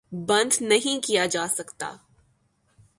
بند نہیں کیا جا سکتا